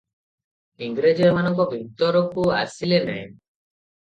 ଇଂରେଜ ଏମାନଙ୍କ ଭିତରକୁ ଆସିଲେ ନାହିଁ ।